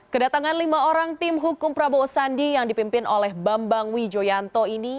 kedatangan lima orang tim hukum prabowo sandi yang dipimpin oleh bambang wijoyanto ini